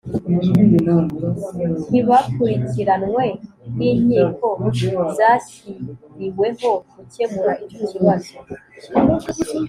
ntibakurikiranwe n'inkiko zashyiriweho gukemura icyo kibazo